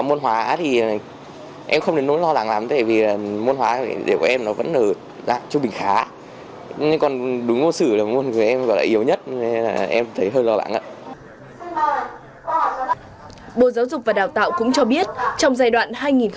bộ giáo dục và đào tạo cũng cho biết trong giai đoạn hai nghìn hai mươi năm hai nghìn ba mươi